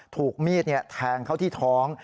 ถูกมีดแทงเข้าที่ท้อง